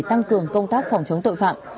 tăng cường công tác phòng chống tội phạm